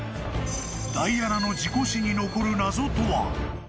ダイアナの事故死に残る謎とは。